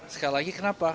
sekali lagi kenapa